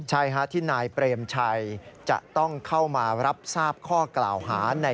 ใช่ที่นายเปรมชัยจะต้องเข้ามารับทราบข้อกล่าวหา